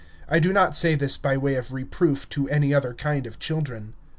I do not say this by way of reproof to any other kind of children.